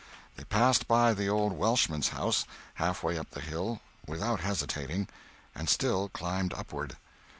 They passed by the old Welshman's house, halfway up the hill, without hesitating, and still climbed upward.